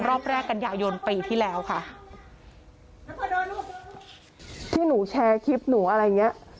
รอบแรกกันยายนปีที่แล้วค่ะที่หนูแชร์คลิปหนูอะไรอย่างเงี้ย